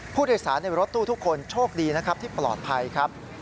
ผู้โดยสารในรถตู้ทุกคนโชคดีนะครับที่ปลอดภัยครับ